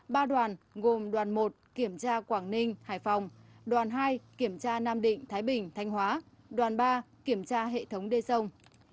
ba đoàn gồm đoàn một kiểm tra quảng ninh hải phòng đoàn hai kiểm tra nam định thái bình thanh hóa đoàn ba kiểm tra hệ thống đê sông